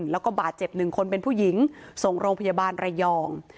แล้วก็บาดเจ็บ๑คนเป็นผู้หญิงส่งโรงพยาบาลระยอง